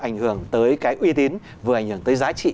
hướng tới cái uy tín vừa hình hưởng tới giá trị